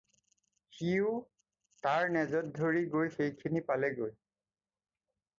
সিও তাৰ নেজত ধৰি গৈ সেইখিনি পালেগৈ।